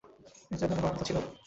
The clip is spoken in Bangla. এটা এভাবে হওয়ার কথা ছিল না।